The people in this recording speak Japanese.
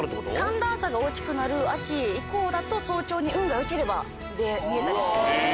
寒暖差が大きくなる秋以降だと早朝に運が良ければ見えたりするんですよね。